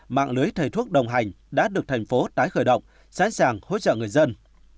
mạng lưới thầy thuốc đồng hành đã được thành phố tái khởi động sẵn sàng hỗ trợ người dân